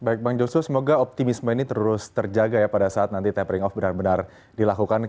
baik bang joshua semoga optimisme ini terus terjaga ya pada saat nanti tapering off benar benar dilakukan